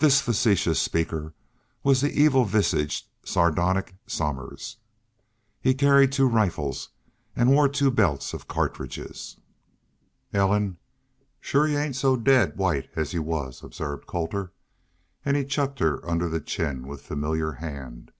This facetious speaker was the evil visaged, sardonic Somers. He carried two rifles and wore two belts of cartridges. "Ellen, shore y'u ain't so daid white as y'u was," observed Colter, and he chucked her under the chin with familiar hand.